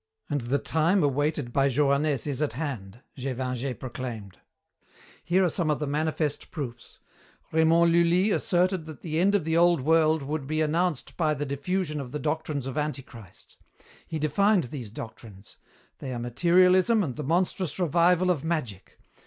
"And the time awaited by Johannès is at hand," Gévingey proclaimed. "Here are some of the manifest proofs. Raymond Lully asserted that the end of the old world would be announced by the diffusion of the doctrines of Antichrist. He defined these doctrines. They are materialism and the monstrous revival of magic.